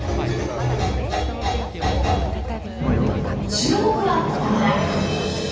注目はここから。